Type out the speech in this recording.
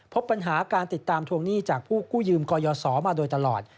พบปัญหาการติดตามทวงหนี้จากผู้กู้ยืมกรยศมาโดยตลอด